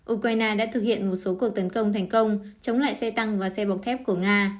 ukraine đã thực hiện một số cuộc tấn công thành công chống lại xe tăng và xe bọc thép của nga